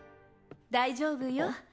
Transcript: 大丈夫よ。